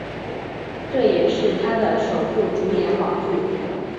这也是他的首部主演网剧。